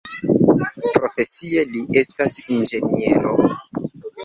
Profesie li estas inĝeniero.